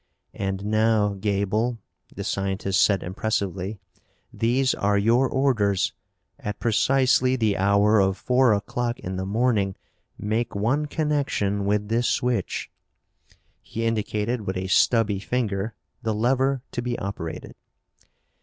"And now, Gaeble," the scientist said impressively, "these are your orders. At precisely the hour of four o'clock in the morning make one connection with this switch." He indicated, with a stubby finger, the lever to be operated.